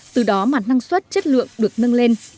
từ đó mà năng suất chất lượng được nâng lên